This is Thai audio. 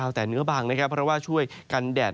ในแต่ละพื้นที่เดี๋ยวเราไปดูกันนะครับ